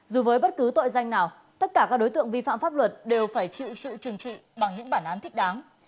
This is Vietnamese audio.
dù với bất cứ tội danh nào tất cả các đối tượng vi phạm pháp luật đều phải chịu sự trừng trị bằng những bản án thích đáng